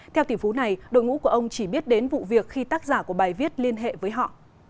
theo tỷ phú này đội ngũ của ông chỉ biết đến vụ việc khi tác giả của bài viết liên hệ với họ